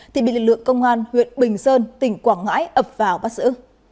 thì bị lực lượng công an huyện bình sơn tỉnh quảng ngãi ập vào bắt giữ